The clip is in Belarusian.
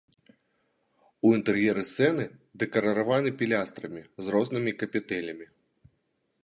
У інтэр'еры сцены дэкарыраваны пілястрамі з разнымі капітэлямі.